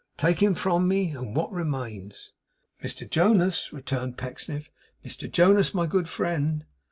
'Take him from me, and what remains?' 'Mr Jonas,' returned Pecksniff, 'Mr Jonas, my good friend.